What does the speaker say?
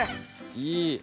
いい！